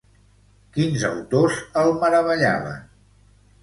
Quins autors el meravellaven?